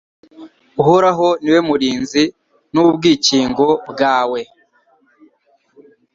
Uhoraho ni we murinzi n’ubwikingo bwawe